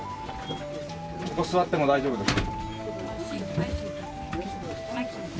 ここ座っても大丈夫ですか？